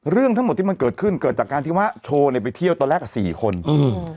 เรื่องทั้งหมดที่มันเกิดขึ้นเกิดจากการที่ว่าโชว์เนี้ยไปเที่ยวตอนแรกอ่ะสี่คนอืม